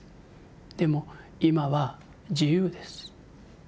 でも今は自由です。